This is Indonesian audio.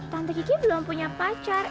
tante kiki belum punya pacar